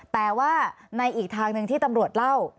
แต่ว่าในอีกทางหนึ่งที่ตำรวจเล่า